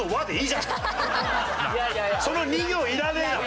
その２行いらねえだろ！